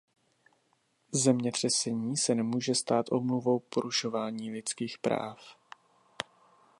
Zemětřesení se nemůže stát omluvou porušování lidských práv.